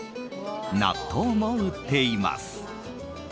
納豆も売っています。